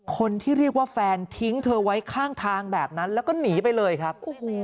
คนที่เรียกว่าแฟนทิ้งเธอไว้ข้างทางแบบนั้นแล้วก็หนีไปเลยครับ